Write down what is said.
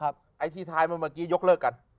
ไอ้ที่ท้ายเมื่อกี้ยกเลิกกัน